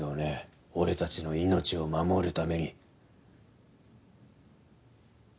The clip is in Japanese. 俺たちの命を守るために。